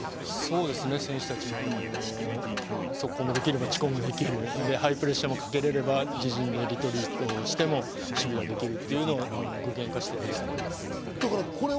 選手たち、速攻もできれば遅攻もできる、ハイプレッシャーもかけられれば、自陣にリトリートしても守備ができる、やってくれたと思います。